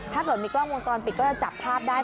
ถ้าเกิดมีกล้องวงจรปิดก็จะจับภาพได้